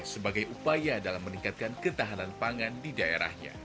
sebagai upaya dalam meningkatkan ketahanan pangan di daerahnya